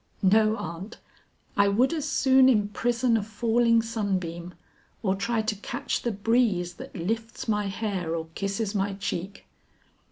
"No aunt, I would as soon imprison a falling sunbeam or try to catch the breeze that lifts my hair or kisses my cheek."